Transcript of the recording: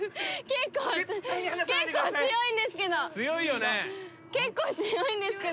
結構強いんですけど。